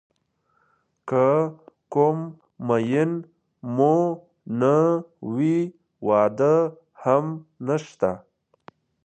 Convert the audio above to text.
که کوم مېن مو نه وي واده هم نشته.